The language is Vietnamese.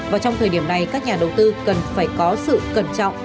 và trong thời điểm này các nhà đầu tư cần phải có sự cẩn trọng